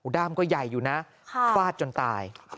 ด้ามก็ใหญ่อยู่นะฟาดจนตาย